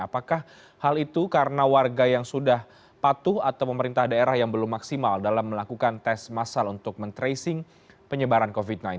apakah hal itu karena warga yang sudah patuh atau pemerintah daerah yang belum maksimal dalam melakukan tes masal untuk men tracing penyebaran covid sembilan belas